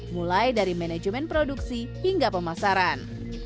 mulai dari manajemen produksi hingga pemasaran